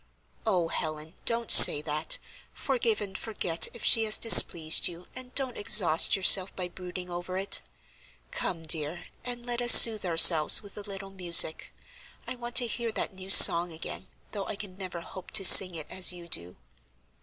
"Oh, Helen, don't say that. Forgive and forget if she has displeased you, and don't exhaust yourself by brooding over it. Come, dear, and let us soothe ourselves with a little music. I want to hear that new song again, though I can never hope to sing it as you do."